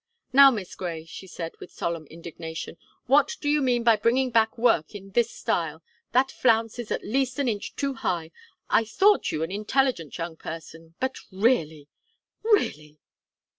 "Now, Miss Gray," she said, with solemn indignation, "what do you mean by bringing back work in this style? That flounce is at least an inch too high! I thought you an intelligent young person but really, really!"